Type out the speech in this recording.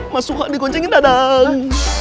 masuk di goncengin dadang